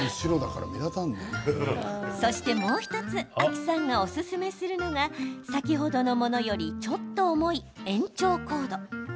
そしてもう１つａｋｉさんがおすすめするのが先ほどのものよりちょっと重い延長コード。